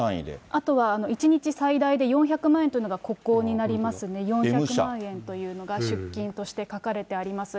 あとは１日最大４００万円というのがここになりますね、４００万円というのが出金として書かれてあります。